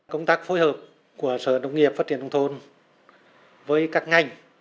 công tác phối hợp của sở nông nghiệp phát triển nông thôn với các ngành